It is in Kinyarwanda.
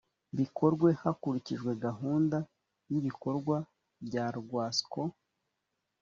bikorwe hakurikijwe gahunda y’ibikorwa bya rwasco